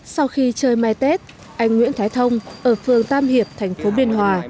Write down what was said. sau khi chơi mai tết anh nguyễn thái thông ở phường tam hiệp thành phố biên hòa